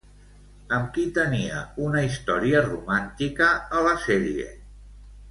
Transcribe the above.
Amb qui tenia una història romàntica a la sèrie?